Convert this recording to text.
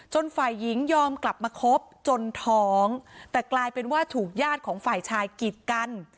ฝ่ายหญิงยอมกลับมาคบจนท้องแต่กลายเป็นว่าถูกญาติของฝ่ายชายกิดกัน